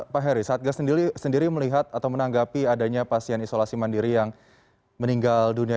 pak heri satgas sendiri melihat atau menanggapi adanya pasien isolasi mandiri yang meninggal dunia